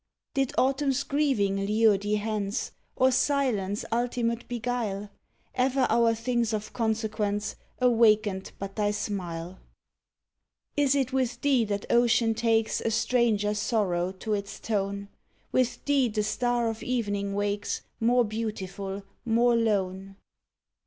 Did Autumn's grieving lure thee hence, Or silence ultimate beguile"? Ever our things of consequence Awakened but thy smile. 132 PERSONAL POEMS Is it with thee that ocean takes A stranger sorrow to its tone*? With thee the star of evening wakes More beautiful, more lone?